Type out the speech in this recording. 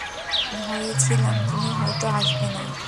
ভয়ে ছিলাম তুমি হয়তো আসবে না।